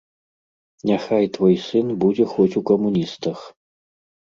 Няхай твой сын будзе хоць у камуністах.